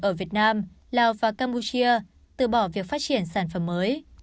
ở việt nam lào và campuchia từ bỏ việc phát triển sản phẩm mới